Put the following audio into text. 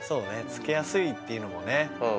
着けやすいっていうのもね